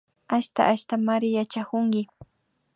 Asha Ashamari yachakunki